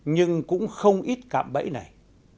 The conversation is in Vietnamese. nhưng cũng không ít cạm bẫy này